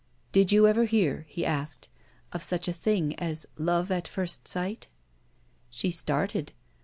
"Did you ever hear," he asked, "of such a thing as love at first sight?" She started.